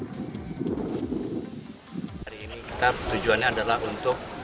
hari ini kita tujuannya adalah untuk